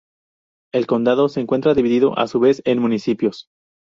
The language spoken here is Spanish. El condado se encuentra dividido a su vez en municipios.